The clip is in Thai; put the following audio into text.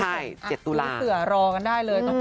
เศรือรอกันได้เลย